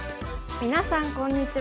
みなさんこんにちは。